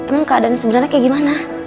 emang keadaan sebenarnya kayak gimana